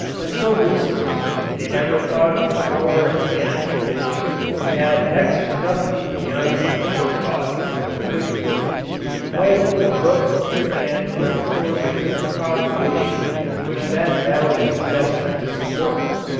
Until recently they never thought of the power at hand which, at next to nothing beyond the initial cost, could heat, light, cook, and work for the huge population which that valley is destined to support.